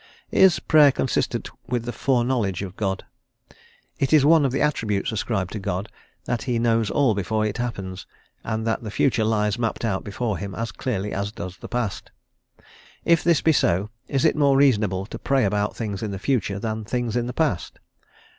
Is Prayer consistent with the foreknowledge of God? It is one of the attributes ascribed to God that he knows all before it happens, and that the future lies mapped out before him as clearly as does the past. If this be so, is it more reasonable to pray about things in the future than things in the past?